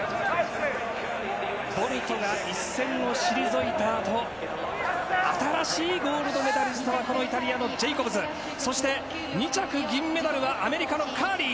ボルトが一線を退いた後、新しいゴールドメダリストはこのイタリアのジェイコブズ、２着銀メダルはアメリカのカーリー。